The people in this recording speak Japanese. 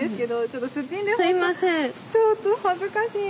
ちょっと恥ずかしい。